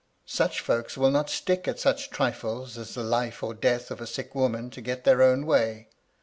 Such folks will not stick at such trifles as the life or death of a sick woman to get their own way.